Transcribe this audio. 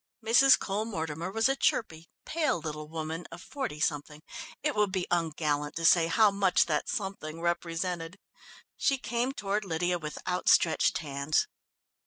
Mrs. Cole Mortimer was a chirpy, pale little woman of forty something. It would be ungallant to say how much that "something" represented. She came toward Lydia with outstretched hands.